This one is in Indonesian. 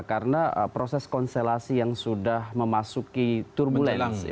karena proses konselasi yang sudah memasuki turbulence